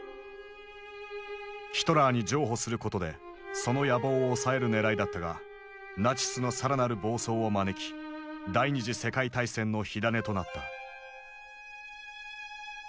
ヒトラーに譲歩することでその野望を抑えるねらいだったがナチスの更なる暴走を招き第二次世界大戦の火種となった。